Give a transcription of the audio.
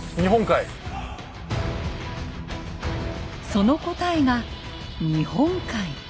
その答えが日本海。